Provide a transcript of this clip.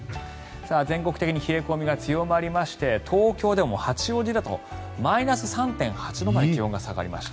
全国的に冷え込みが強まりまして東京でも八王子だとマイナス３．８度まで気温が下がりました。